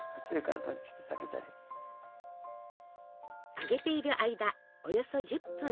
揚げている間およそ１０分。